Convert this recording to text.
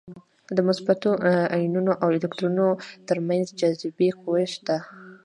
د مثبتو ایونونو او الکترونونو تر منځ جاذبې قوه شته ده.